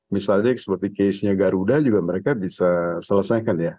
misalnya seperti casenya garuda juga mereka bisa selesaikan ya